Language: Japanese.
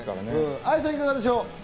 愛さん、いかがでしょう？